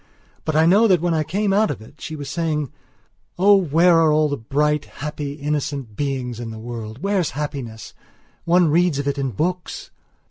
But I know that when I came out of it she was saying: "Oh, where are all the bright, happy, innocent beings in the world? Where's happiness? One reads of it in books!"